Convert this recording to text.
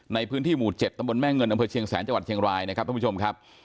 ในพื้นที่หมู่๗ตำบลแม่เงินอำเภอเชียงแสนจังหวัดเชียงรายนะครับท่านผู้ชมครับ